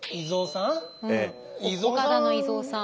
岡田の以蔵さん。